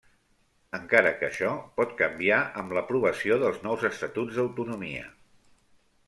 Encara que això pot canviar amb l'aprovació dels nous estatuts d'autonomia.